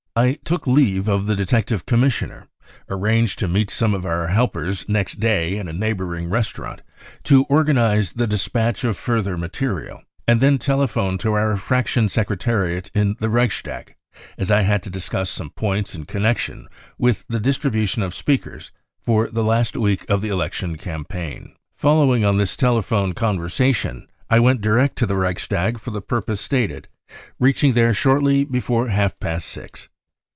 I took leave of the Detective Commissioner, arranged to meet some of our helpers next day in a neighbouring restaurant to organise the despatch of further material, and then telephoned to our Fraction secretariat in the Reichstag, as I had to discuss some points in connection with the distribution of speakers for the last week of the election campaign. 44 Following on this telephone conversation I went direct to the Reichstag for the purpose stated, reaching there shortly before half past six.